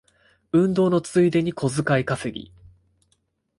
運動のついでに小遣い稼ぎ